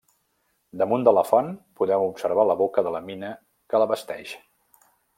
Damunt de la font podem observar la boca de la mina que l'abasteix.